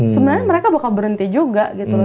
sebenarnya mereka bakal berhenti juga gitu loh